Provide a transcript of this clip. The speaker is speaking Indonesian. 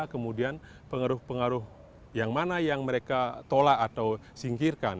kemudian pengaruh pengaruh yang mana yang mereka tolak atau singkirkan